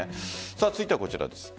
続いてはこちらです。